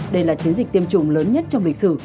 đây là chiến dịch tiêm chủng lớn nhất trong lịch sử